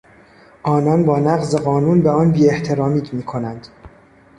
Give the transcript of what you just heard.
آنان با نقض قانون به آن بیاحترامی میکنند.